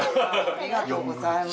ありがとうございます。